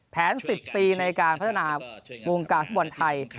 แผน๑๐ปีในการพัฒนาวงการสมบันไทย